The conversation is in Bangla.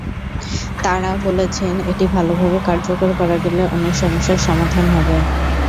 তাঁরা বলেছেন, এটি ভালোভাবে কার্যকর করা গেলে অনেক সমস্যার সমাধান হবে।